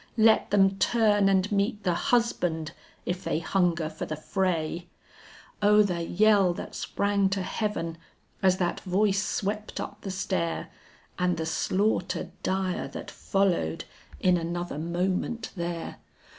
Let them turn and meet the husband if they hunger for the fray." O the yell that sprang to heaven as that voice swept up the stair, And the slaughter dire that followed in another moment there!